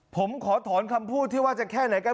ผมขอถอนคำพูดที่ว่าจะแค่ไหนกัน